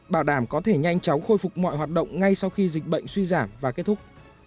bảo đảm có thể nhanh chóng khôi phục mọi hoạt động ngay sau khi dịch bệnh suy giảm và kết thúc